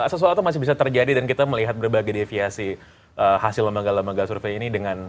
sesuatu masih bisa terjadi dan kita melihat berbagai deviasi hasil lembaga lembaga survei ini